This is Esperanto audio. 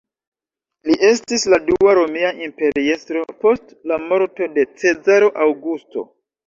Li estis la dua romia imperiestro post la morto de Cezaro Aŭgusto.